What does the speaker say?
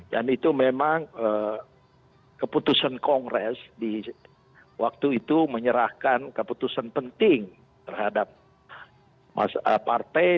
dan itu memang keputusan kongres di waktu itu menyerahkan keputusan penting terhadap partai